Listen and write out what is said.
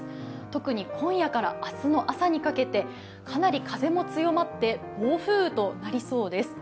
特に今夜から明日の朝にかけてかなり風も強まって暴風雨となりそうです。